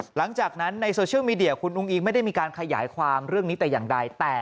หลังจากนั้นในโซเชียลมีเดียคุณอุ้งอิงไม่ได้มีการขยายความเรื่องนี้แต่อย่างใด